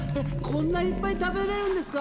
こんないっぱい食べれるんですか？